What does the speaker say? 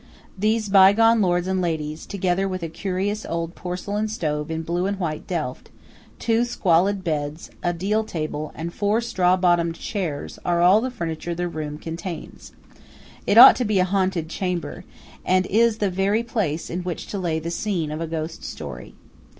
These bygone lords and ladies, together with a curious old porcelain stove in blue and white Delft, two squalid beds, a deal table, and four straw bottomed chairs, are all the furniture the room contains. It ought to be a haunted chamber, and is the very place in which to lay the scene of a ghost story.